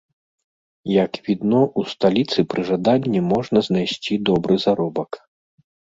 Як відно, у сталіцы пры жаданні можна знайсці добры заробак.